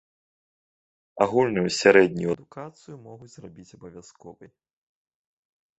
Агульную сярэднюю адукацыю могуць зрабіць абавязковай.